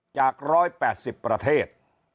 จาก๑๘๐ประเทศ